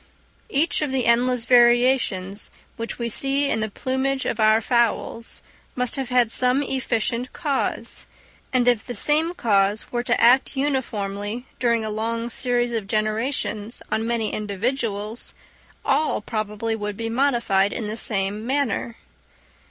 Each of the endless variations which we see in the plumage of our fowls must have had some efficient cause; and if the same cause were to act uniformly during a long series of generations on many individuals, all probably would be modified in the same manner.